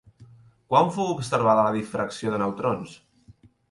Quan fou observada la difracció de neutrons?